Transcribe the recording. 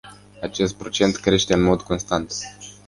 Acest procent crește în mod constant.